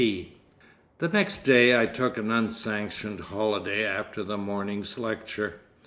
C." The next day I took an unsanctioned holiday after the morning's lecture.